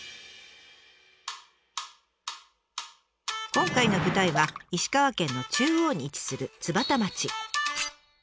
今回の舞台は石川県の中央に位置する津幡町。